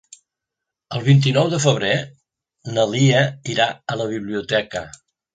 El vint-i-nou de febrer na Lia irà a la biblioteca.